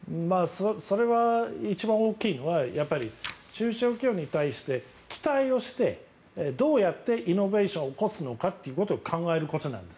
それは一番大きいのは中小企業に対して期待をしてどうやってイノベーションを起こすのかということを考えることなんです。